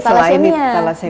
betul darahnya ada nggak